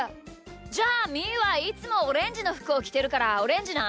じゃあみーはいつもオレンジのふくをきてるからオレンジな。